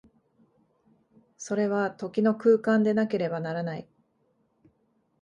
それは時の空間でなければならない。